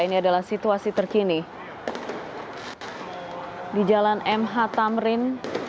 ini adalah situasi terkini di jalan mh tamrin